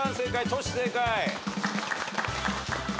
トシ正解。